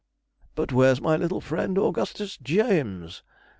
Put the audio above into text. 'But where's my little friend, Augustus James?'